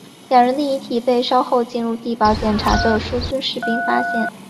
两人的遗体被稍后进入地堡检查的苏军士兵发现。